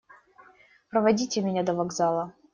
Проводите меня до вокзала.